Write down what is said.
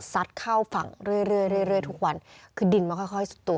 ซัดเข้าฝั่งเรื่อยเรื่อยเรื่อยเรื่อยทุกวันคือดินมาค่อยค่อยสุดตัว